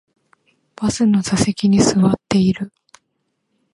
バスの座席に座っている